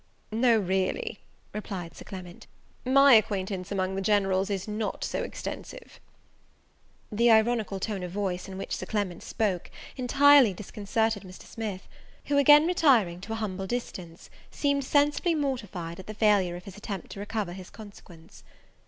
"No, really," replied Sir Clement, "my acquaintance among the generals is not so extensive." The ironical tone of voice in which Sir Clement spoke entirely disconcerted Mr. Smith; who again retiring to an humble distance, seemed sensibly mortified at the failure of his attempt to recover his consequence.